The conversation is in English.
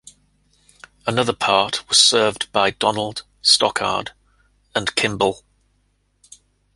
Another part was served by Donald, Stockard, and Kimball.